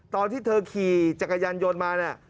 ตอนที่เธอขี่จักรยานยนต์มาเนี่ย